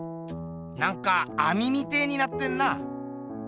なんかあみみてえになってんな。